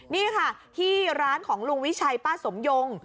นี่ค่ะที่ร้านของลุงวิชัยป้าสมยง